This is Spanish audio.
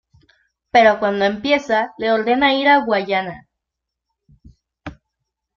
Pero cuando empieza, le ordenar ir a Guyana.